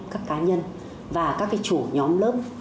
các cá nhân và các chủ nhóm lớp